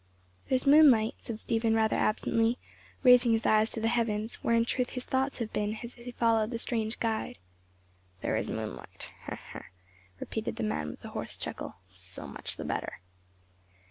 "There is moonlight," said Stephen rather absently, raising his eyes to the heavens, where in truth his thoughts had been as he followed his strange guide. "There is moonlight," repeated the man with a hoarse chuckle. "So much the better."